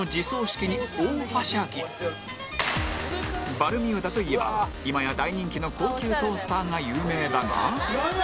ＢＡＬＭＵＤＡ といえば今や大人気の高級トースターが有名だがなんや？